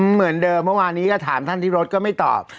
เหมือนเดิมเมื่อวานนี้ก็ถามท่านที่รถก็ไม่ตอบ